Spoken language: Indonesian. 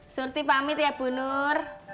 surti pamit ya bu nur